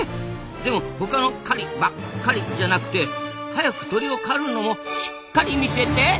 でも他の「狩り」ばっ「かり」じゃなくて早く鳥を狩るのもしっ「かり」見せて！